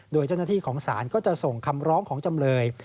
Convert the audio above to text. โดยเจ้าหน้าที่ของศาลก็จะส่งคำร้องของจำเลย